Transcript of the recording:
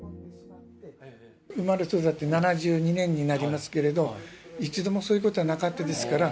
生まれ育って７２年になりますけれど、一度もそういうことはなかったですから。